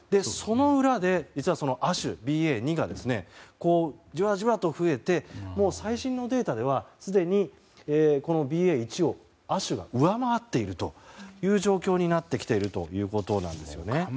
その裏で実は亜種、ＢＡ．２がじわじわと増えて最新のデータではすでにＢＡ．１を亜種が上回っているという状況になってきているということなんですね。